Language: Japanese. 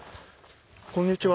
こんにちは。